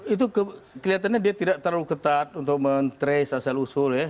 itu kelihatannya dia tidak terlalu ketat untuk men trace asal usul ya